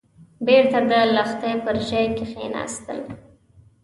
بېرته د لښتي پر ژۍ کېناست.